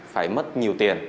phải mất nhiều tiền